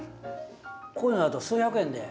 こういうのだと数百円で買えるんで。